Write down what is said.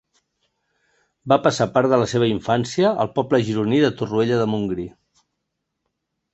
Va passar part de la seva infància al poble gironí de Torroella de Montgrí.